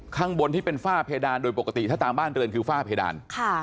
ข้างบนที่เป็นฝ้าเพดานโดยปกติถ้าตามบ้านเรือนคือฝ้าเพดาน